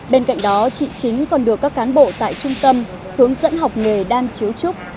bên cạnh đó chị chính còn được các cán bộ tại trung tâm hướng dẫn học nghề đan chiếu trúc